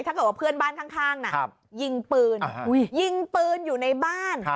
ถ้าเกิดว่าเพื่อนบ้านข้างน่ะยิงปืนยิงปืนอยู่ในบ้าน